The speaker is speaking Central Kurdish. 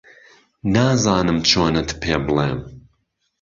نازانم چۆنت پێ بڵێم